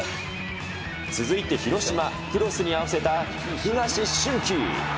続いて広島、クロスに合わせた東俊希。